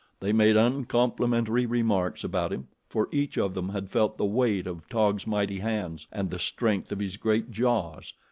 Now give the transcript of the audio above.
They made uncomplimentary remarks about him, for each of them had felt the weight of Taug's mighty hands and the strength of his great jaws.